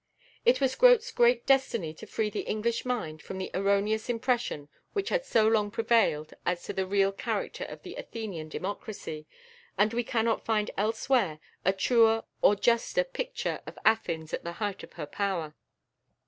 It was Grote's great destiny to free the English mind from the erroneous impressions which had so long prevailed as to the real character of the Athenian democracy, and we cannot find elsewhere a truer or juster picture of Athens at the height of her power.